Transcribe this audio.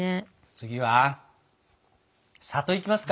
次は「里」いきますか？